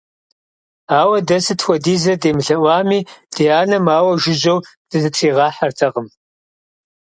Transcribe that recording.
Ауэ дэ сыт хуэдизрэ демылъэӀуами, ди анэм ауэ жыжьэу дызытригъэхьэртэкъым.